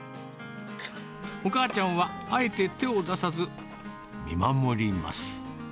お母ちゃんは、あえて手を出さず、見守ります。